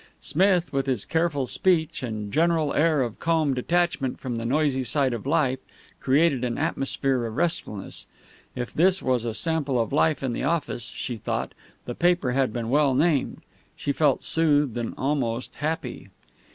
Smith, with his careful speech and general air of calm detachment from the noisy side of life, created an atmosphere of restfulness. If this was a sample of life in the office, she thought, the paper had been well named. She felt soothed and almost happy.